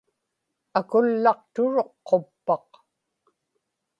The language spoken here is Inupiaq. akullaqturuq quppaq